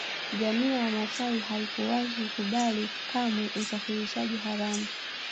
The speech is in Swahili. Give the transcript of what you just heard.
Jamii ya Wamasai haikuwahi kukubali kamwe usafirishaji haramu